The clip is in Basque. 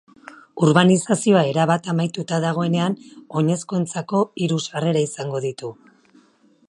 Urbanizazioa erabat amaituta dagoenean, oinezkoentzako hiru sarrera izango ditu.